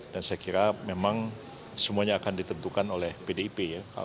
dan saya kira memang semuanya akan ditentukan oleh pdip ya